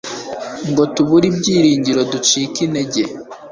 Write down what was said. ngo tubure ibyiringiro ducike intege